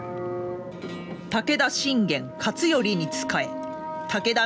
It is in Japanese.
武田信玄勝頼に仕え武田